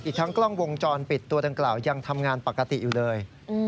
ทั้งกล้องวงจรปิดตัวดังกล่าวยังทำงานปกติอยู่เลย